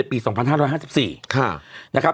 ปี๒๕๕๔นะครับ